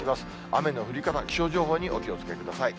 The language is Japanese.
雨の降り方、気象情報にお気をつけください。